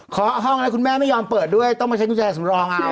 ห้องแล้วคุณแม่ไม่ยอมเปิดด้วยต้องมาใช้กุญแจสำรองเอา